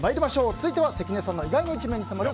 続いては関根さんの意外な一面に迫る